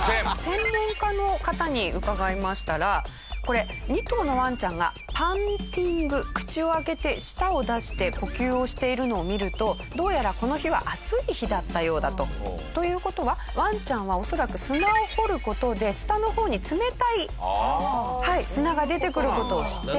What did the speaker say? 専門家の方に伺いましたらこれ２頭のワンちゃんがパンティング口を開けて舌を出して呼吸をしているのを見るとどうやらこの日は暑い日だったようだと。という事はワンちゃんは恐らく砂を掘る事で下の方に冷たい砂が出てくる事を知っているので。